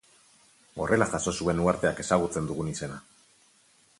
Horrela jaso zuen uharteak ezagutzen dugun izena.